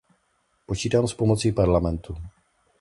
Počítám s pomocí Parlamentu.